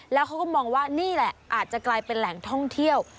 แล้วเขาก็มองว่านี่แหละอาจจะกลายเป็นแหล่งท่องเที่ยว